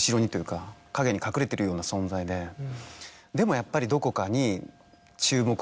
でもやっぱりどこかに。